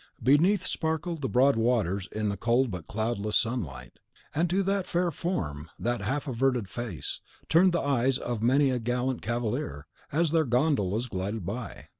Beneath sparkled the broad waters in the cold but cloudless sunlight; and to that fair form, that half averted face, turned the eyes of many a gallant cavalier, as their gondolas glided by.